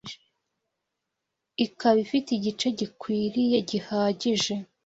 ikaba ifite igice gitwikiriye gihagije